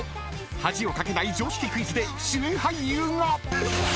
［恥をかけない常識クイズで主演俳優が］